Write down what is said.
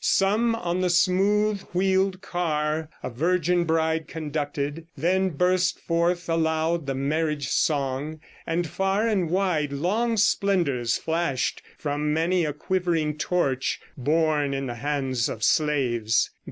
Some on the smooth wheeled car A virgin bride conducted; then burst forth Aloud the marriage song; and far and wide Long splendors flash'd from many a quivering torch Borne in the hands of slaves.